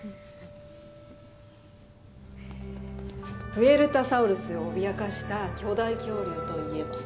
プエルタサウルスを脅かした巨大恐竜といえば？